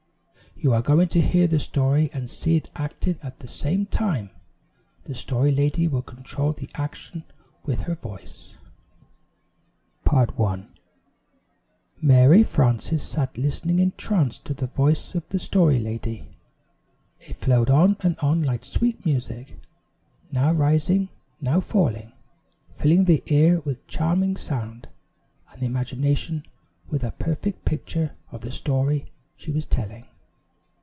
"You are going to hear the story and see it acted at the same time. The Story Lady will control the action with her voice." In the Magic Circle Mary Frances sat listening entranced to the voice of the Story Lady. It flowed on and on like sweet music, now rising, now falling, filling the ear with charming sound, and the imagination with a perfect picture of the story she was telling.